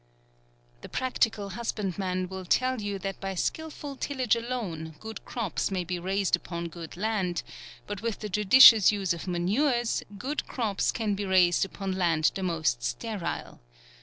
The practical husbandman will tell you that by skilful tillage alone, good crops may be raised upon good land, but with the judicious use of manures, good crops can be raised upon land the most sterile.